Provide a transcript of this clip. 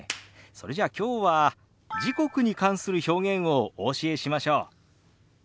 それじゃあきょうは時刻に関する表現をお教えしましょう。